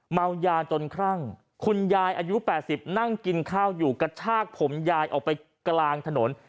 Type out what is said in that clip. เมายาจนครั่งคุณยายอายุ๘๐นั่งกินข้าวอยู่กระชากผมยายออกไปกลางถนน